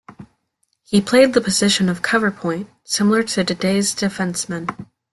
He played the position of cover point, similar to today's defenceman.